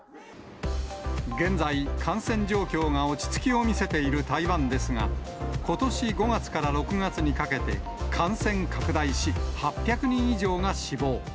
現在、感染状況が落ち着きを見せている台湾ですが、ことし５月から６月にかけて、感染拡大し、８００人以上が死亡。